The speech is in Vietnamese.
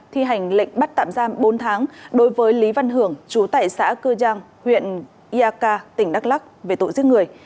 thi hành lệnh bắt tạm giam bốn tháng đối với lý văn hưởng chú tại xã cư giang huyện iaka tỉnh đắk lắc về tội giết người